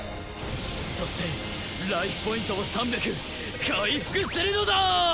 そしてライフポイントを３００回復するのだ！